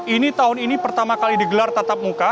ini tahun ini pertama kali digelar tatap muka